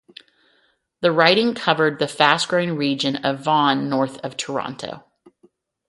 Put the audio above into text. The riding covered the fast-growing region of Vaughan north of Toronto.